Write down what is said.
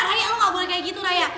raya lo gak boleh kayak gitu raya